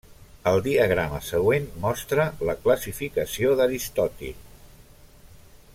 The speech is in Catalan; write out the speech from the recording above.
El diagrama següent mostra la classificació d'Aristòtil.